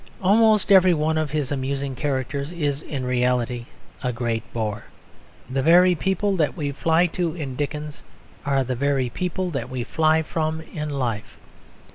Almost every one of his amusing characters is in reality a great bore. The very people that we fly to in Dickens are the very people that we fly from in life.